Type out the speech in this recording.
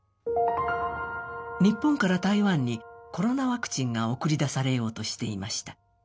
日本から台湾にコロナワクチンが送り出されようとしていました。